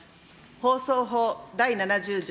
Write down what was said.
放送法第７０条